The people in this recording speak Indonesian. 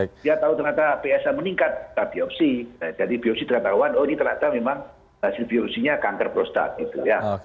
jadi biopsi terdapat tahu oh ini ternyata memang hasil biopsinya kanker prostat